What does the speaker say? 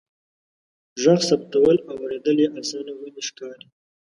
ږغ ثبتول او اوریدل يې آسانه غوندې ښکاري.